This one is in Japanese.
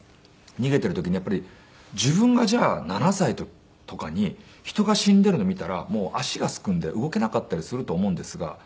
逃げている時にやっぱり自分がじゃあ７歳とかに人が死んでいるのを見たらもう足がすくんで動けなかったりすると思うんですが。